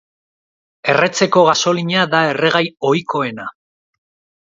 Erretzeko gasolina da erregai ohikoena.